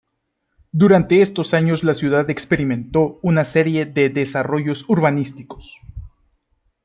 Durante estos años la ciudad experimentó una serie de desarrollos urbanísticos.